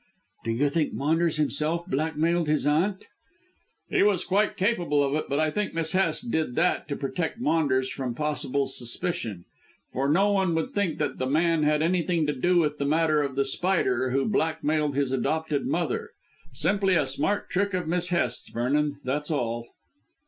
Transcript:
"Do you think Maunders himself blackmailed his aunt?" "He was quite capable of it. But I think Miss Hest did that to protect Maunders from possible suspicion. For no one would think that the man had anything to do with the matter of The Spider, who blackmailed his adopted mother. Simply a smart trick of Miss Hest's, Vernon, that's all."